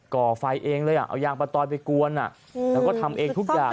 ่อไฟเองเลยอ่ะเอายางประตอยไปกวนแล้วก็ทำเองทุกอย่าง